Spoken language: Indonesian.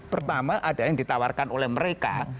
pertama ada yang ditawarkan oleh mereka